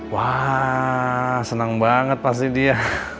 wah senang banget pasti dia